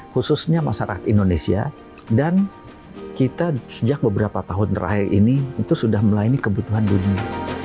khususnya masyarakat indonesia dan kita sejak beberapa tahun terakhir ini itu sudah melayani kebutuhan dunia